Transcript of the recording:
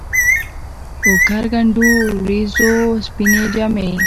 اوکر کنډو ، وریځو سپيني جامې